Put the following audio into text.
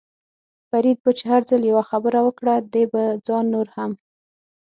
فرید چې به هر ځل یوه خبره وکړه، دې به ځان نور هم.